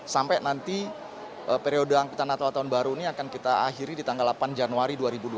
sampai nanti periode angkutan natal tahun baru ini akan kita akhiri di tanggal delapan januari dua ribu dua puluh